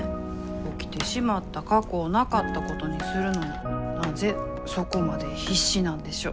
起きてしまった過去をなかったことにするのになぜそこまで必死なんでしょう。